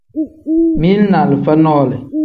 Mili ni alifa nole.